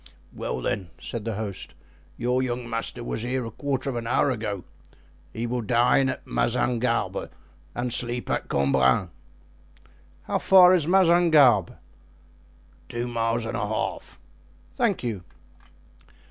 "Well, then," said the host, "your young master was here a quarter of an hour ago; he will dine at Mazingarbe and sleep at Cambrin." "How far is Mazingarbe?" "Two miles and a half." "Thank you."